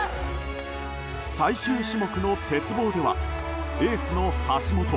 最終種目の鉄棒ではエースの橋本。